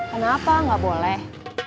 kenapa nggak boleh